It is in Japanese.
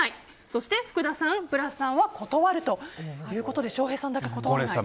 そして福田さん、ブラスさんは断るということで翔平さんだけ断らない。